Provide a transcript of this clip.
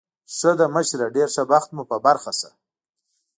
ښه ده، مشره، ډېر ښه بخت مو په برخه شه.